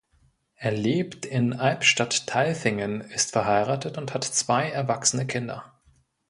Er lebt in Albstadt-Tailfingen, ist verheiratet und hat zwei erwachsene Kinder.